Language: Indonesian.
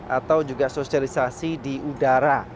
atau juga sosialisasi di udara